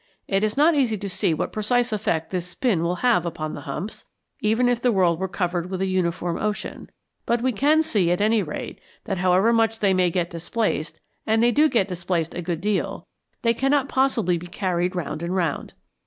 It is not easy to see what precise effect this spin will have upon the humps, even if the world were covered with a uniform ocean; but we can see at any rate that however much they may get displaced, and they do get displaced a good deal, they cannot possibly be carried round and round.